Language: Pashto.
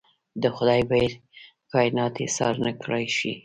د خدای ویړ کاینات ایسار نکړای شي.